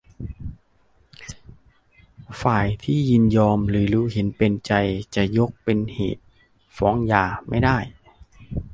ฝ่ายที่ยินยอมหรือรู้เห็นเป็นใจจะยกเป็นเหตุฟ้องหย่าไม่ได้